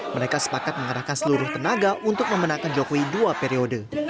mereka sepakat mengarahkan seluruh tenaga untuk memenangkan jokowi dua periode